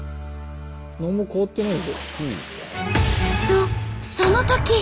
何も変わってない。